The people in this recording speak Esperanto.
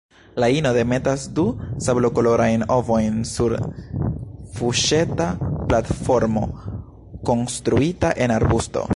La ino demetas du sablokolorajn ovojn sur fuŝeta platformo konstruita en arbusto.